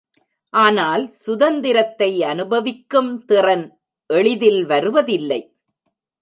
ஆனால் சுதந்தரத்தை அனுபவிக்கும் திறன் எளிதில் வருவதில்லை.